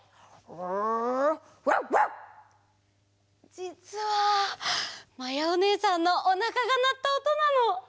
じつはまやおねえさんのおなかがなったおとなの。